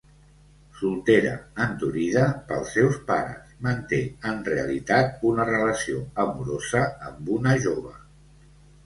Soltera endurida pels seus pares, manté en realitat una relació amorosa amb una jove.